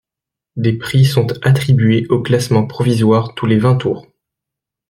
Des prix sont attribués aux classements provisoires tous les vingt tours.